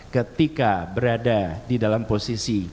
ketika berada di dalam posisi